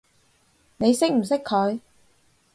你識唔識佢？